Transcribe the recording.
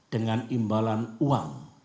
dengan imbalan uang